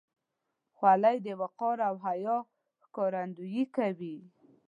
خولۍ د وقار او حیا ښکارندویي کوي.